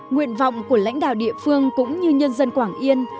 nguyện vọng của lãnh đạo địa phương cũng như nhân dân quảng yên